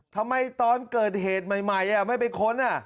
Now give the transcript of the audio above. ทำไมตอนเกิดเหตุใหม่ไม่ไปค้น